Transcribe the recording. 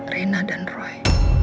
rena dan roy